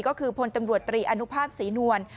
ก็คือพลตำรวจตรีอนุภาพศรีนวล